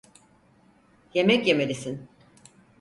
Yemek yemelisin.